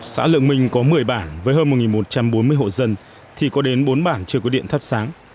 xã lượng minh có một mươi bản với hơn một một trăm bốn mươi hộ dân thì có đến bốn bản chưa có điện thắp sáng